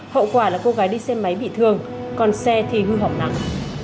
hậu quả là cô gái đi xe máy bị thương còn xe thì hư hỏng nặng